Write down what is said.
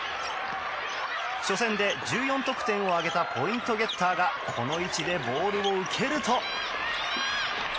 初戦で１４点を挙げたポイントゲッターがこの位置でボールを受けると。